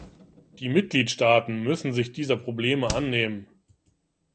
Die Mitgliedstaaten müssen sich dieser Probleme annehmen.